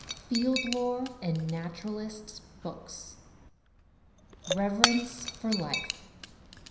FIELD LORE AND NATURALISTS' BOOKS Reverence for Life.